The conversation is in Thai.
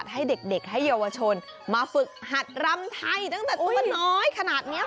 ให้เด็กให้เยาวชนมาฝึกหัดรำไทยตั้งแต่ตัวน้อยขนาดนี้